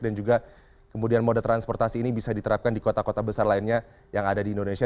dan juga kemudian moda transportasi ini bisa diterapkan di kota kota besar lainnya yang ada di indonesia